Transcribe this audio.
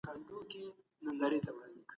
د سیند ترڅنګ د انګورو باغونه شنه سوي دي.